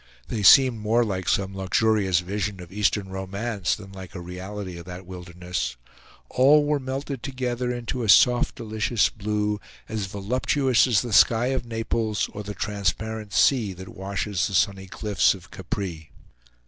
They seemed more like some luxurious vision of Eastern romance than like a reality of that wilderness; all were melted together into a soft delicious blue, as voluptuous as the sky of Naples or the transparent sea that washes the sunny cliffs of Capri.